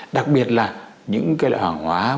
đặc biệt là những loại hàng hóa